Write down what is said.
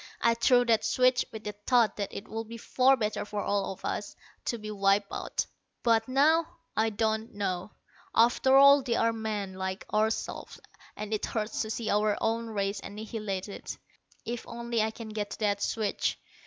I threw that switch with the thought that it would be far better for all of us to be wiped out. But now, I don't know. After all, they are men, like ourselves, and it hurts to see our own race annihilated. If only I can get to that switch."